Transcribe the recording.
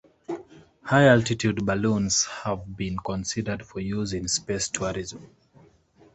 High-altitude balloons have been considered for use in space tourism.